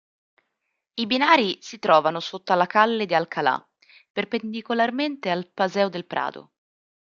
I binari si trovano sotto alla Calle de Alcalá, perpendicolarmente al Paseo del Prado.